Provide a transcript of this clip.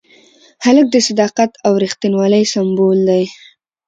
هلک د صداقت او ریښتینولۍ سمبول دی.